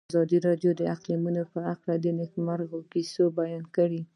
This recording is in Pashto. ازادي راډیو د اقلیتونه په اړه د نېکمرغۍ کیسې بیان کړې.